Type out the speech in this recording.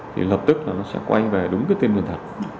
thì lập tức nó sẽ quay về đúng cái tên thật